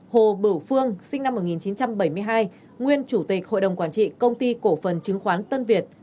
bốn hồ bửu phương sinh năm một nghìn chín trăm bảy mươi hai nguyên chủ tịch hội đồng quản trị công ty cổ phần chứng khoán tân việt